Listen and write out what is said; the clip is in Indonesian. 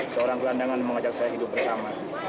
seorang gelandangan mengajak saya hidup bersama